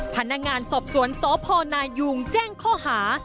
พนักงานสอบสวนสพนายุงแจ้งข้อหา